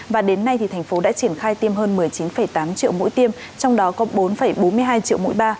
và đến nay thành phố đã triển khai tiêm hơn một mươi chín tám triệu mũi tiêm trong đó có bốn bốn mươi hai triệu mũi ba